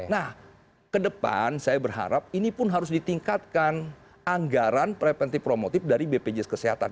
nah ke depan saya berharap ini pun harus ditingkatkan anggaran preventif promotif dari bpjs kesehatan